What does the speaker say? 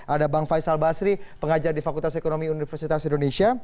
ada bang faisal basri pengajar di fakultas ekonomi universitas indonesia